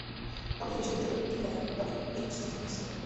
তবে যদি বেশি দূর থেকে টিভি দেখেন তবে এইচডি টিভিই শ্রেয়।